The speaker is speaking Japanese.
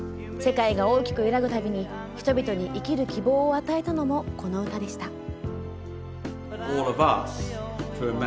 世界が大きく揺らぐたびに人々に生きる希望を与えたのもこの歌でした。